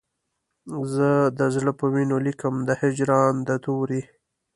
زه د زړه په وینو لیکم د هجران د توري